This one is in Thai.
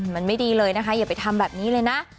มันไม่ดีเลยนะคะอย่าไปทำแบบนี้เลยนะ